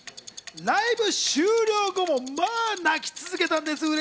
ライブ終了後もまぁ泣き続けたんです。